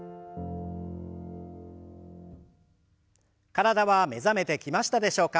体は目覚めてきましたでしょうか？